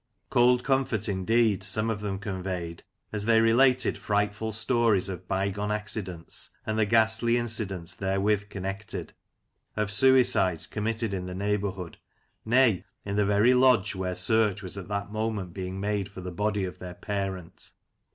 Cold comfort, indeed, some of them conveyed, as they related frightful stories of by gone accidents, and the ghastly incidents therewith connected; of suicides committed in the neighbourhood, nay, in the very lodge where search was at that moment being made for the body of their parent.